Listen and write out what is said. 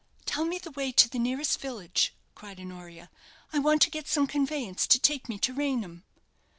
"Tell me the way to the nearest village," cried Honoria. "I want to get some conveyance to take me to Raynham."